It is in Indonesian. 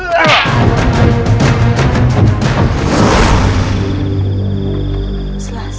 tidak ada kesalahan